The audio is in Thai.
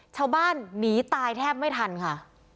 ชาวบ้านหนีตายแทบไม่ทันค่ะ